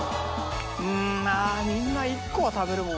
まあみんな１個は食べるもんな。